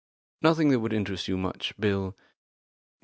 "Nothing that would interest you much, Bill.